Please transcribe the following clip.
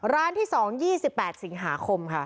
ร้านที่๒๒๘สิงหาคมค่ะ